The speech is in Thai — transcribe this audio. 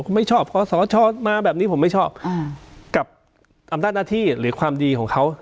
คุณไม่ชอบคอสชมาแบบนี้ผมไม่ชอบกับอำนาจหน้าที่หรือความดีของเขา